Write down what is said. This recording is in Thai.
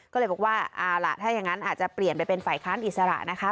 ก็เลยบอกว่าเอาล่ะถ้าอย่างนั้นอาจจะเปลี่ยนไปเป็นฝ่ายค้านอิสระนะคะ